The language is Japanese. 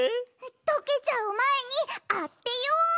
とけちゃうまえにあてよう！